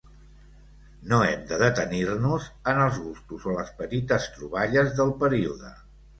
No hem de detenir-nos en els gustos o les petites troballes del període.